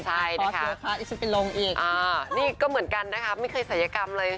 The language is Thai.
ใช่นะคะนี่ก็เหมือนกันนะครับไม่เคยศัยกรรมเลย